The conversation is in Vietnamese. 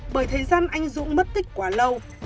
bởi thời gian anh dũng mất tích quá lâu